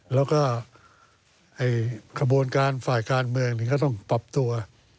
แล้วก็กระบวนการฝ่ายการเมืองก็ต้องปรับตัว